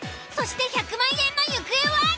そして１００万円の行方は？